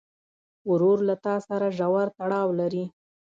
ورور له تا سره ژور تړاو لري.